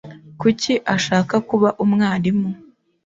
Kuki ashaka kuba umwarimu?